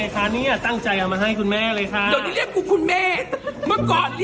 ค่ะคุณแม่